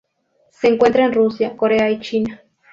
Se encuentra en Rusia, Corea y China.